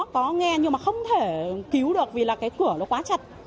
có nghe nhưng mà không thể cứu được vì là cái cửa nó quá chặt